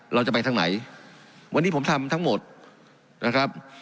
เราจะไปทางไหนวันนี้ผมทำทั้งหมดนะครับ